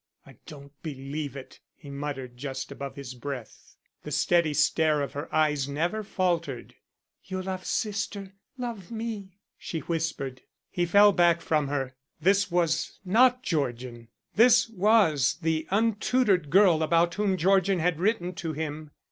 "I don't believe it," he muttered just above his breath. The steady stare of her eyes never faltered. "You loved sister, love me," she whispered. He fell back from her. This was not Georgian. This was the untutored girl about whom Georgian had written to him.